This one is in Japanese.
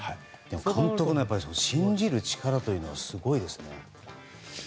監督の信じる力はすごいですね。